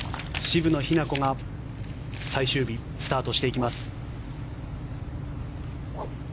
渋野日向子が最終日、スタートしていきます。